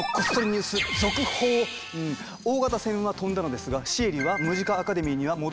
大型船は飛んだのですがシエリはムジカ・アカデミーには戻ってこないもよう。